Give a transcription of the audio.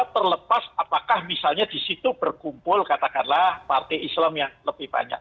terlepas apakah misalnya di situ berkumpul katakanlah partai islam yang lebih banyak